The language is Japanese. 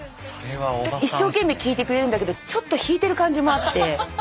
一生懸命聞いてくれるんだけどちょっと引いてる感じもあって。